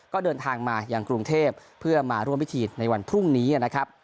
ก็เดินทางมายังกรุงเทพเพื่อมาร่วมพิธีในวันพรุ่งนี้นะครับ